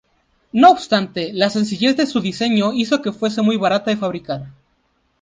No obstante, la sencillez de su diseño hizo que fuese muy barata de fabricar.